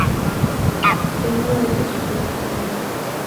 Templo de Jesús Nazareno.